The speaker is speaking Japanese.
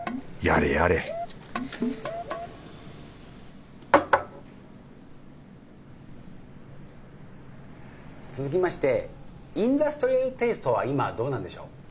やれやれ続きましてインダストリアルテイストは今どうなんでしょう？